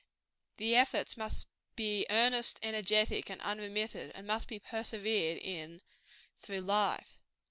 The efforts must be earnest, energetic, and unremitted; and must be persevered in through life.